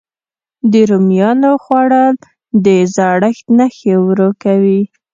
د رومیانو خووړل د زړښت نښې ورو کوي.